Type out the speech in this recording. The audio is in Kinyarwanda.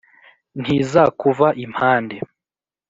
ntizakuva impande